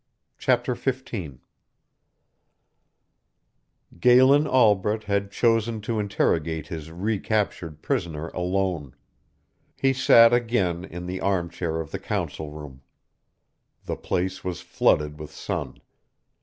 Chapter Fifteen Galen Albret had chosen to interrogate his recaptured prisoner alone. He sat again in the arm chair of the Council Room. The place was flooded with sun.